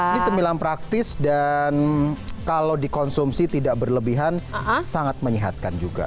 ini cemilan praktis dan kalau dikonsumsi tidak berlebihan sangat menyehatkan juga